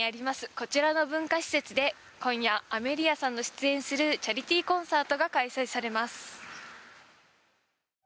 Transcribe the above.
こちらの文化施設で今夜、アメリアさんの出演するチャリティーコンサートが開催されます。